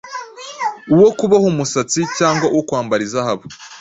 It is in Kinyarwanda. uwo kuboha umusatsi, cyangwa uwo kwambara izahabu,